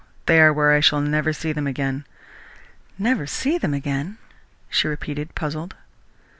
They are where I shall never see them again." "Never see them again?" she repeated, puzzled.